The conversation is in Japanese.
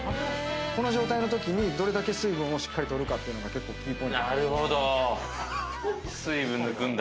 この状態の時に、どれだけ水分をしっかり取るかというのが結構キーポイント。